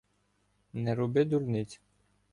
— Не роби дурниць.